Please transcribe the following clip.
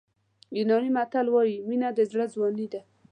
یوناني متل وایي مینه د زړه ځواني ده.